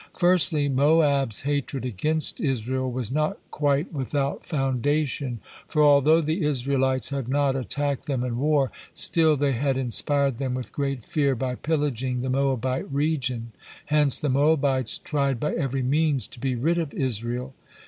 Firstly, Moab's hatred against Israel was not quite without foundation, for although the Israelites had not attacked them in war, still they had inspired them with great fear by pillaging the Moabite region, hence the Moabites tried by every means to be rid of Israel.